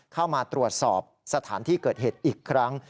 เข้ามาตรวจสอบสถานที่เกิดเหตุอีกครั้ง